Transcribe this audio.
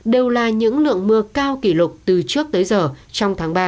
đều là những lượng mưa cao kỷ lục từ trước tới giờ